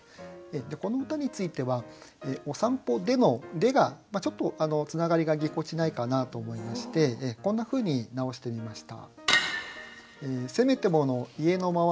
この歌については「お散歩で」の「で」がちょっとつながりがぎこちないかなと思いましてこんなふうに直してみました。